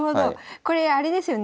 これあれですよね